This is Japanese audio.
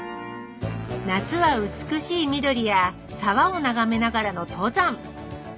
夏は美しい緑や沢を眺めながらの登山。